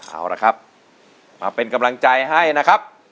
เอาละครับมาเป็นกำลังใจให้นะครับ